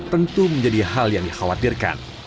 tentu menjadi hal yang dikhawatirkan